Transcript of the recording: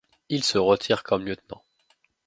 Il se retire comme lieutenant.